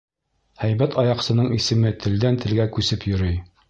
Һәйбәт аяҡсының исеме телдән-телгә күсеп йөрөй.